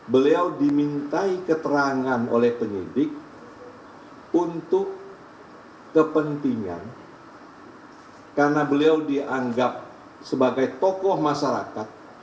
beliau dimintai keterangan oleh penyidik untuk kepentingan karena beliau dianggap sebagai tokoh masyarakat